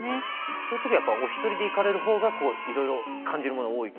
そういう時はやっぱお一人で行かれるほうがいろいろ感じるものが多い？